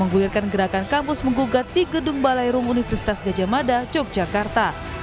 menggulirkan gerakan kampus menggugat di gedung balai rum universitas gajah mada yogyakarta